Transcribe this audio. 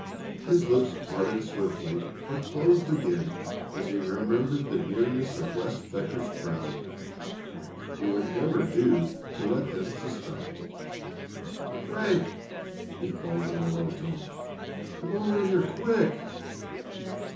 His lips parted swiftly, but closed again as he remembered the nearness of Wes Becker's crowd. It would never do to let them suspect. "Frank!" he called in a low tone. "Come over here quick!"